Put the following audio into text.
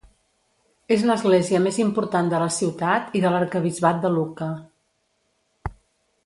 És l'església més important de la ciutat i de l'arquebisbat de Lucca.